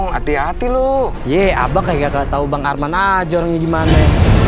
hati hati lu ye abang kayak gatau bang arman aja gimana